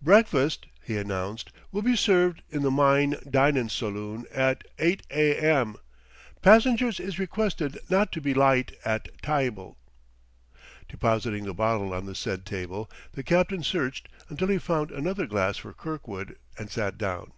"Breakfast," he announced, "will be served in the myne dinin' saloon at eyght a. m. Passingers is requested not to be lyte at tyble." Depositing the bottle on the said table, the captain searched until he found another glass for Kirkwood, and sat down.